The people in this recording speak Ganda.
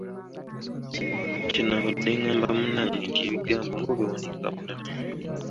Kye nnavudde ngamba munnange nti ebigambo ng’obiwandiika bulala!